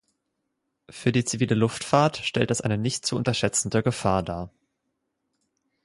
Für die zivile Luftfahrt stellt das eine nicht zu unterschätzende Gefahr dar.